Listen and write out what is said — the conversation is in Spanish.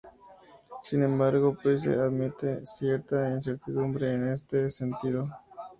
Sin embargo, Price admite cierta incertidumbre en este sentido.